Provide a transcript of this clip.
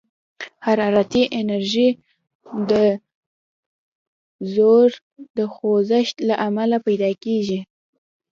حرارتي انرژي د ذرّو د خوځښت له امله پيدا کېږي.